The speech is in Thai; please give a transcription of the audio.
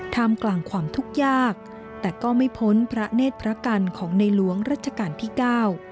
มกลางความทุกข์ยากแต่ก็ไม่พ้นพระเนธพระกันของในหลวงรัชกาลที่เก้า